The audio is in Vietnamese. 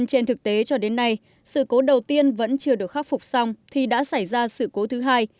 trên thực tế cho đến nay sự cố đầu tiên vẫn chưa được khắc phục xong thì đã xảy ra sự cố thứ hai